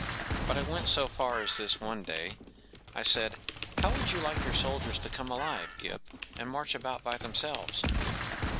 But I went so far as this one day. I said, “How would'you like your soldiers to come alive, Gip, and march about by themselves